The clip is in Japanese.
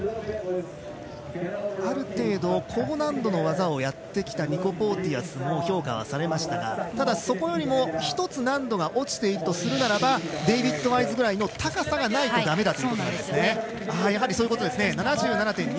ある程度高難度の技をやってきたニコ・ポーティアスは評価されましたがただ、そこよりも１つ難度が落ちているとするならばデイビッド・ワイズぐらいの高さがないとだめだということですね。